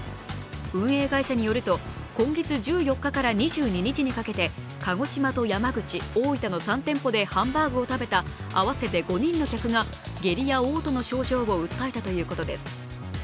運営会社によると、今月１４日から２２日にかけて鹿児島と山口、大分の３店舗でハンバーグを食べた合わせて５人の客が下痢やおう吐などの症状を訴えたということです。